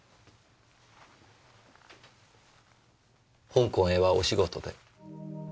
香港へはお仕事で？